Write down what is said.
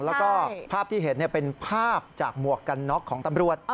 แล้วก็ภาพที่เห็นเป็นภาพจากหมวกกันน็อกของตำรวจ